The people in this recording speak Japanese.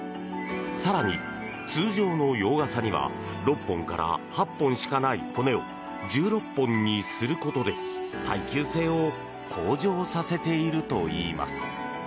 更に、通常の洋傘には６本から８本しかない骨を１６本にすることで、耐久性を向上させているといいます。